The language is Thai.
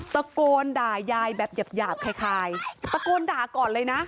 ตะโกนด่ายายแบบหยาบคล้ายตะโกนด่าก่อนเลยนะ